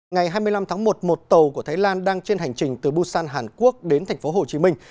ngày hai mươi năm tháng một một tàu của thái lan đang trên hành trình từ busan hàn quốc đến thành phố hồ chí minh